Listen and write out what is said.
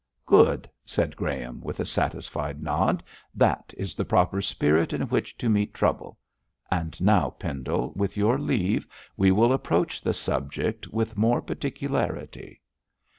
'Good!' said Graham, with a satisfied nod; 'that is the proper spirit in which to meet trouble. And now, Pendle, with your leave, we will approach the subject with more particularity.'